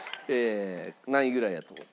何位ぐらいやと？